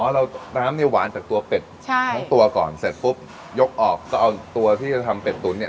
เราน้ำเนี่ยหวานจากตัวเป็ดใช่ทั้งตัวก่อนเสร็จปุ๊บยกออกก็เอาตัวที่จะทำเป็ดตุ๋นเนี่ย